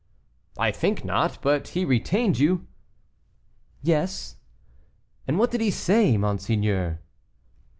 "I think not; but he retained you?" "Yes." "And what did he say, monseigneur?"